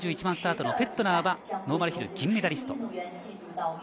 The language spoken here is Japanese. ４１番スタートのフェットナーはノーマルヒル銀メダリスト。